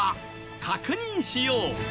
確認しよう！